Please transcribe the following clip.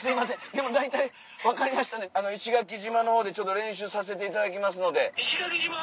でも大体分かりましたんで石垣島のほうでちょっと練習させていただきますので。石垣島？